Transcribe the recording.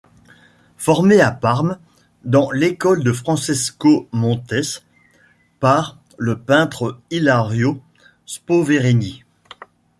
Formé à Parme dans l'école de Francesco Montes par le peintre Ilario Spolverini.